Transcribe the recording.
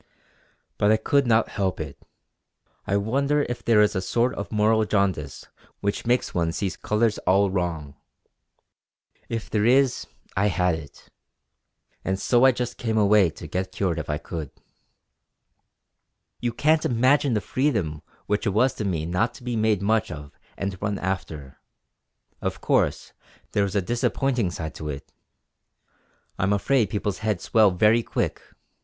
But I could not help it. I wonder if there is a sort of moral jaundice which makes one see colours all wrong! If there is, I had it; and so I just came away to get cured if I could. "You can't imagine the freedom which it was to me not to be made much of and run after. Of course there was a disappointing side to it; I'm afraid people's heads swell very quick!